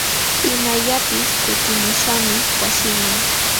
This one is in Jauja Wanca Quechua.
Imayllapis kutimuśhaqmi wasiiman.